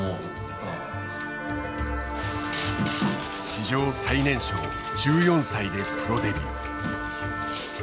史上最年少１４歳でプロデビュー。